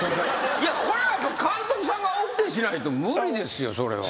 これは監督さんがＯＫしないと無理ですよそれは。